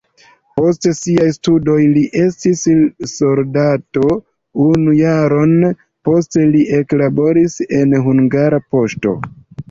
Post siaj studoj li estis soldato unu jaron, posta li eklaboris en Hungara Poŝto.